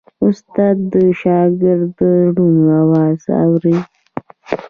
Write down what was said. استاد د شاګرد د زړونو آواز اوري.